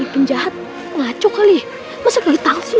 ipin jahat ngaco kali masa kali takut sih